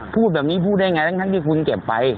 พูดแบบนี้พูดได้อย่างไรตั้งทั้งที่คุณเก็บไป